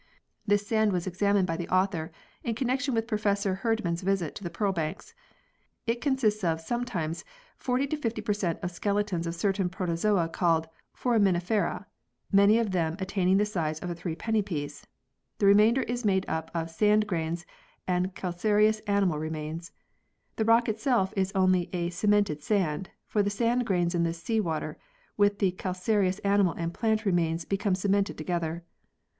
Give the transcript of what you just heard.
This sand was examined by the author in connection with Pro fessor Herdman's visit to the pearl banks. It con sists of, sometimes, 40 50 % f skeletons of certain protozoa called Foraminifera, many of them attaining the size of a threepenny piece. The remainder is made up of sand grains and calcareous animal remains. The rock itself is only a "cemented sand," for the sand grains in this sea water with the calcareous animal and plant remains become cemented together.